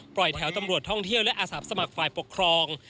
แถวตำรวจท่องเที่ยวและอาสาสมัครฝ่ายปกครอง